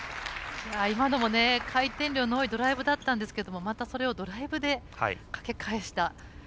今のも回転量の多いドライブだったんですがまた、それをドライブでかけ返した。